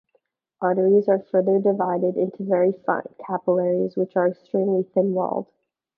Arteries are further divided into very fine capillaries which are extremely thin-walled.